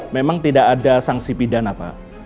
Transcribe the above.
memang tidak ada sanksi pidana pak